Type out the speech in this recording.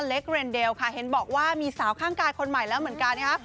เล็กเรนเดลค่ะเห็นบอกว่ามีสาวข้างกายคนใหม่แล้วเหมือนกันนะคะ